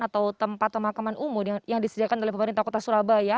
atau tempat pemakaman umum yang disediakan oleh pemerintah kota surabaya